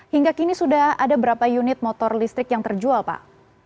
hingga kini sudah ada berapa unit motor listrik yang terjual pak